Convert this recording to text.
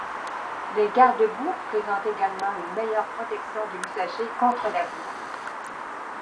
Les gardes boues présentent également une meilleure protection de l'usager contre la boue.